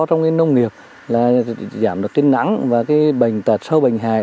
trong cái nông nghiệp là giảm được cái nắng và cái bệnh tật sau bệnh hài